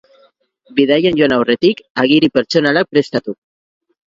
Bidaian joan aurretik agiri pertsonalak prestatu.